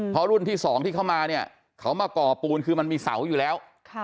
เพราะรุ่นที่๒ที่เข้ามาเนี่ยเขามาก่อปูนคือมันมีเสาอยู่แล้ว